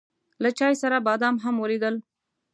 له چای سره بادام هم وليدل.